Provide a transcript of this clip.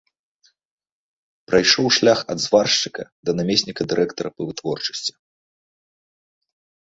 Прайшоў шлях ад зваршчыка да намесніка дырэктара па вытворчасці.